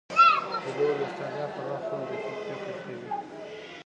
پیلوټ د ستړیا پر وخت هم دقیق فکر کوي.